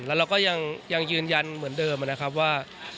แล้วเราก็ยังยืนยันเหมือนเดิมนะครับว่า